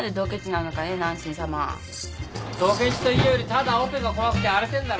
ドケチというよりただオペが怖くて荒れてんだろ。